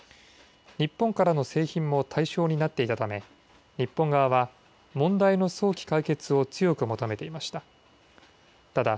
日本からの製品も対象になっていたため日本側は問題の早期解決を強く求めていました。